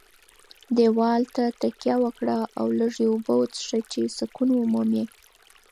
دېوال ته تکیه وکړه او لږې اوبه وڅښه چې سکون ومومې.